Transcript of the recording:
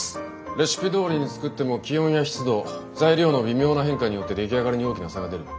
レシピどおりに作っても気温や湿度材料の微妙な変化によって出来上がりに大きな差が出る。